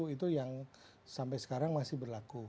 itu yang sampai sekarang masih berlaku